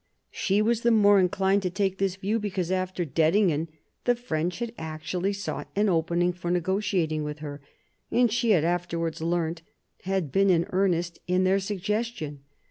She was the more inclined to take this view because after Dettingen the French had actually sought an opening for negotiating with her, and, as she had afterwards learnt, had been in earnest in their suggestion.